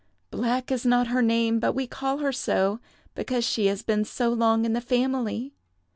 Black is not her name, but we call her so because she has been so long in the family."